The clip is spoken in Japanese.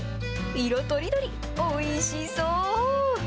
色とりどり、おいしそう。